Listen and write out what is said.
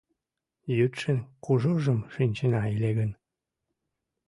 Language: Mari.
Йӱдшын кужужым шинчена ыле гын